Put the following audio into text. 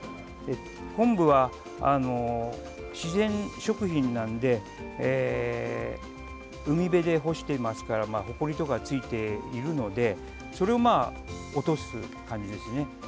昆布は自然食品なので海辺で干してますからほこりとかついているのでそれを落とす感じですね。